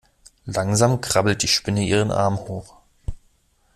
Langsam krabbelt die Spinne ihren Arm hoch.